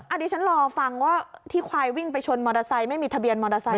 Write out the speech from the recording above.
อันนี้ฉันรอฟังว่าที่ควายวิ่งไปชนมอเตอร์ไซค์ไม่มีทะเบียนมอเตอร์ไซค